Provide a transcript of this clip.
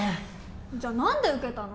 じゃ何で受けたの？